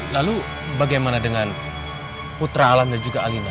lalu bagaimana dengan putra alam dan juga alina